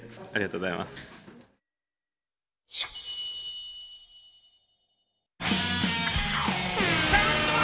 ありがとうございます。